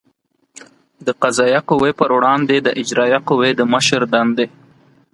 د قضایه قوې پر وړاندې د اجرایه قوې د مشر دندې